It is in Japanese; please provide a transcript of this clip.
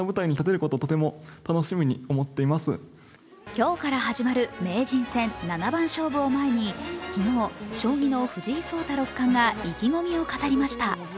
今日から始まる名人戦七番勝負を前に昨日、将棋の藤井聡太六冠が意気込みを語りました。